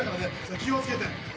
気を付けて。